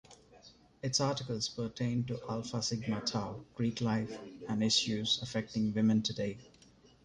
Its articles pertain to Alpha Sigma Tau, Greek life, and issues affecting women today.